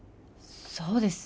そうですね